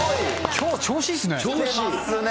きょう、調子いいですね。